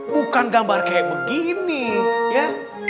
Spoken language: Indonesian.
bukan gambar kayak begini kan